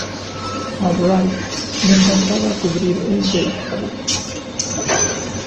A Wright le encantaba cubrir el baseball.